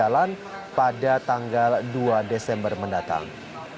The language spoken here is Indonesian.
jalan pada tanggal dua desember mendatang